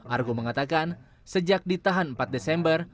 argo mengatakan sejak ditahan empat desember